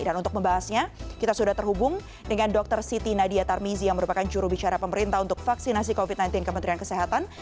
dan untuk membahasnya kita sudah terhubung dengan dr siti nadia tarmizi yang merupakan curu bicara pemerintah untuk vaksinasi covid sembilan belas kementerian kesehatan